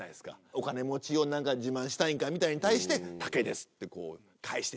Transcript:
「お金持ちを自慢したいんか」みたいに対して「竹です」ってこう返して。